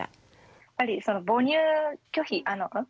やっぱり母乳拒否ん？